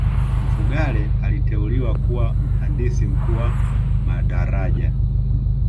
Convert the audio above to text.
mfugale aliteuliwa kuwa mhandisi mkuu wa madaraja